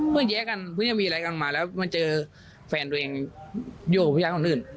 เพิ่งแยะกันเพิ่งจะมีอะไรกันมาแล้วมาเจอแฟนตัวเองอยู่กับพี่ยักษ์คนอื่น